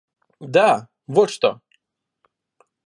Да, вот что!